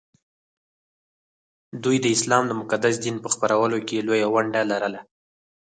دوی د اسلام د مقدس دین په خپرولو کې لویه ونډه لرله